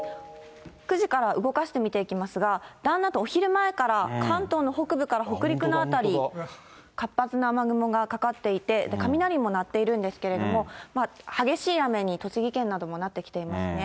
９時から動かして見ていきますが、だんだんとお昼前から、関東の北部から北陸の辺り、活発な雨雲がかかっていて、雷も鳴っているんですけれども、激しい雨に、栃木県などもなってきていますね。